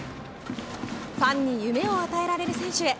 ファンに夢を与えられる選手へ。